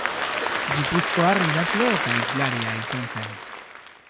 Gipuzkoar idazle eta hizlaria izan zen.